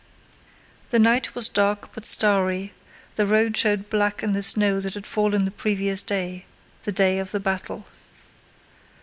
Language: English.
The night was dark but starry, the road showed black in the snow that had fallen the previous day—the day of the battle.